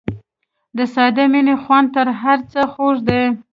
د ساده مینې خوند تر هر څه خوږ دی.